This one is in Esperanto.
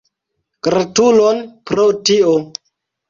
Gratulon pro tio!